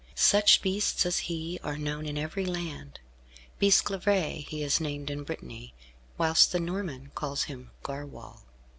Such beasts as he are known in every land. Bisclavaret he is named in Brittany; whilst the Norman calls him Garwal.